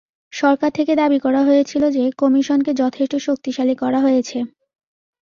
সরকার থেকে দাবি করা হয়েছিল যে কমিশনকে যথেষ্ট শক্তিশালী করা হয়েছে।